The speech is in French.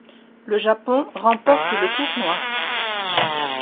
Le Japon remporte le tournoi.